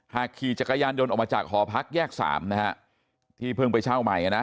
ขี่จักรยานยนต์ออกมาจากหอพักแยกสามนะฮะที่เพิ่งไปเช่าใหม่นะ